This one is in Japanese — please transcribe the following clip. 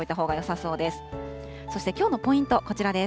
そしてきょうのポイント、こちらです。